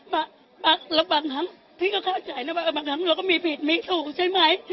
บางครั้งพี่ก็เข้าใจนะบางครั้งเราก็มีผิดมีถูกใช่ไหม